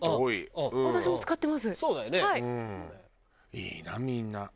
いいなみんな。